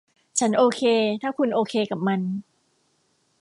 ฉันโอเคถ้าคุณโอเคกับมัน